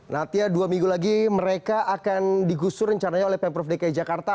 natia dua minggu lagi mereka akan digusur rencananya oleh pemprov dki jakarta